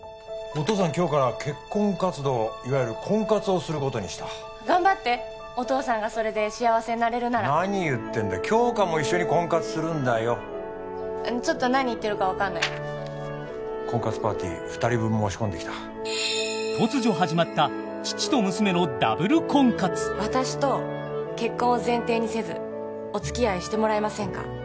お父さん今日から結婚活動婚活をすることにした頑張ってお父さんがそれで幸せになれるなら何言ってんだ杏花も一緒に婚活するんだよちょっと何言ってるか分かんない婚活パーティー二人分申し込んできた私と結婚を前提にせずおつきあいしてもらえませんか？